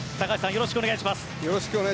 よろしくお願いします。